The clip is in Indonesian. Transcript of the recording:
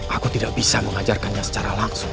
aku tidak bisa mengajarkannya secara langsung